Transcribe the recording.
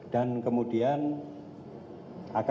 dan kemudian akan tetap operasional seperti biasa